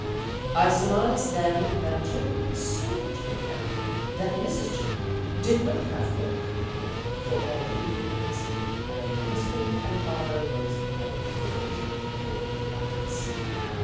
I surmised then that Jim was so much of a parent that Mrs. Jim did not have milk enough for all the little ones, and the husband and father was com pelled to forage for the balance.